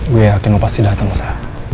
gue yakin lo pasti dateng osa